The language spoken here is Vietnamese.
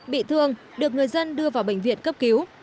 bị thương được người dân đưa vào bệnh viện cấp cứu